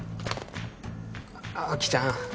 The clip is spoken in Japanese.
ああきちゃん